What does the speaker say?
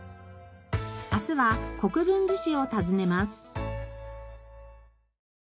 明日は国分寺市を訪ねます。